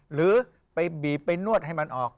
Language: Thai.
หรือไปบีบไปนวดให้มันออก